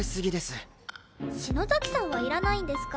篠崎さんはいらないんですか？